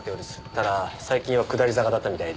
ただ最近は下り坂だったみたいで。